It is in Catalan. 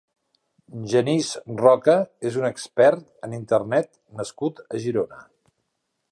Genís Roca és un expert en Internet nascut a Girona.